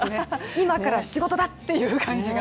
今から仕事だって感じが。